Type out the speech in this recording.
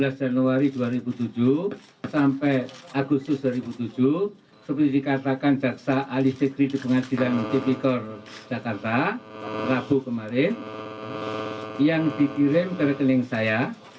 seperti dikatakan jaksa ali fikri di pengadilan kepikor jakarta rabu kemarin yang dikirim ke rekening saya